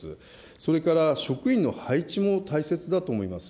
それから職員の配置も大切だと思います。